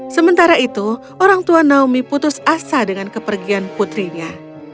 sementara itu orang tua naomi putus asa dengan kepergian putrinya